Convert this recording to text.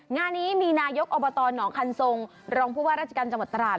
งานนี้มีนายกอบตหนองคันทรงรองผู้ว่าราชการจังหวัดตราด